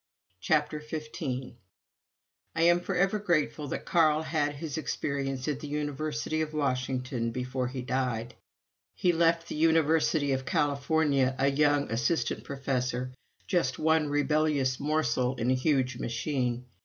CHAPTER XV I am forever grateful that Carl had his experience at the University of Washington before he died. He left the University of California a young Assistant Professor, just one rebellious morsel in a huge machine.